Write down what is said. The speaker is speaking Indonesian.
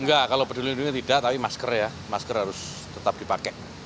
enggak kalau peduli lindungi tidak tapi masker ya masker harus tetap dipakai